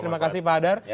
terima kasih pak adar